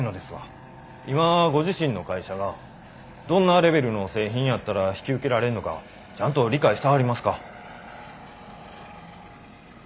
今ご自身の会社がどんなレベルの製品やったら引き受けられんのかちゃんと理解してはりますか？